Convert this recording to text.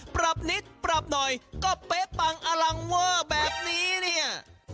ปรับนิดปรับหน่อยก็เป๊ะปังอลังเวอร์แบบนี้เนี่ย